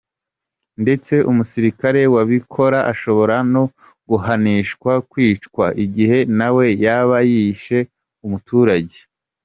Ndetse umusirikare wabikora ashobora no guhanishwa kwicwa igihe nawe yaba yishe umuturage.